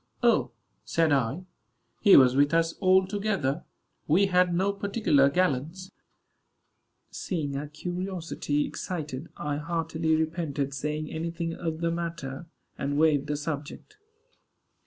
"O," said I, "he was with us all together. We had no particular gallants." Seeing her curiosity excited, I heartily repented saying any thing of the matter, and waived the subject.